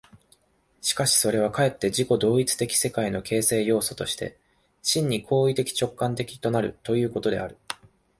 しかしそれはかえって自己同一的世界の形成要素として、真に行為的直観的となるということである。